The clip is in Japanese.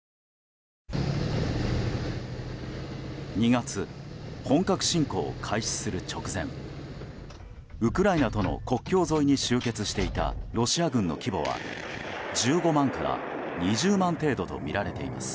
２月、本格侵攻を開始する直前ウクライナとの国境沿いに集結していたロシア軍の規模は１５万から２０万程度とみられています。